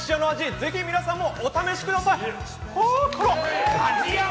ぜひ皆さんもお試しください。